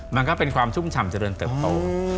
มันก็เป็นความชุ่มฉ่ำเจริญเติบโต